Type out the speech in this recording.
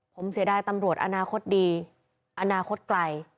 ผมเสียดายตำรวจอนาคตดีอนาคตไกล